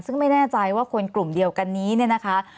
ซึ่งไม่แน่ใจว่าคนกลุ่มเดียวกันนี้เนี่ยนะคะ